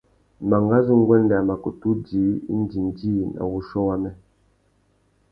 Mangazu nguêndê a mà kutu djï indjindjï na wuchiô wamê.